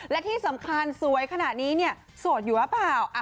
และที่สำคัญสวยขนาดนี้เนี่ยโสดอยู่หรือเปล่า